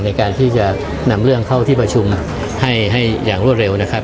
ในการที่จะนำเรื่องเข้าที่ประชุมให้อย่างรวดเร็วนะครับ